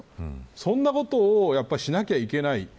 そんなことをしなければいけない。